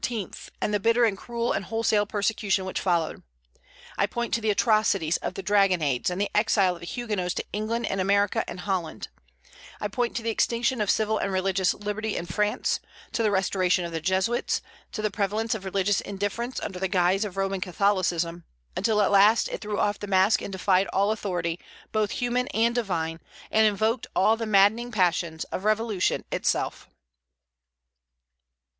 and the bitter and cruel and wholesale persecution which followed; I point to the atrocities of the dragonnades and the exile of the Huguenots to England and America and Holland; I point to the extinction of civil and religions liberty in France, to the restoration of the Jesuits, to the prevalence of religious indifference under the guise of Roman Catholicism, until at last it threw off the mask and defied all authority, both human and divine, and invoked all the maddening passions of Revolution itself.